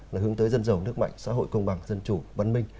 là hướng tới dân giàu nước mạnh xã hội công bằng dân chủ văn minh